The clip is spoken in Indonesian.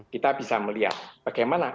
kita bisa melihat bagaimana